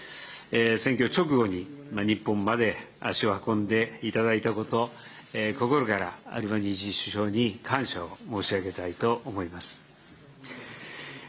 選挙直後に日本まで足を運んでいただいたこと、心からアルバニージー首相に感謝を申し上げたいと思います。